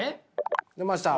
出ました。